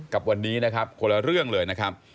กับวันนี้นะครับคนละเรื่องเลยนะครับ